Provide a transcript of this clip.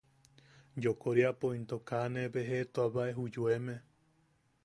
Yokoriapo into kaa nee bejeʼetuabae ju yoeme.